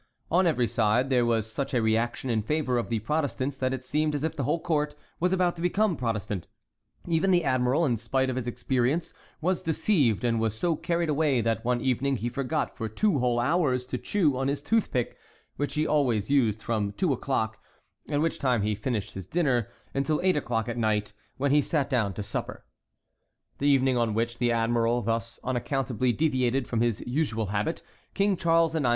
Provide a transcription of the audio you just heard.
On every side there was such a reaction in favor of the Protestants that it seemed as if the whole court was about to become Protestant; even the admiral, in spite of his experience, was deceived, and was so carried away that one evening he forgot for two whole hours to chew on his toothpick, which he always used from two o'clock, at which time he finished his dinner, until eight o'clock at night, when he sat down to supper. The evening on which the admiral thus unaccountably deviated from his usual habit, King Charles IX.